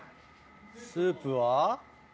スープは？